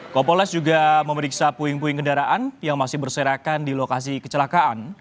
kompolnas juga memeriksa puing puing kendaraan yang masih berserakan di lokasi kecelakaan